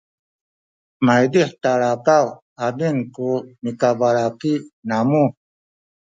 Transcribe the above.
maydih talakaw amin ku nikabalaki namu